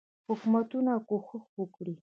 حکومتونه کوښښ وکړي.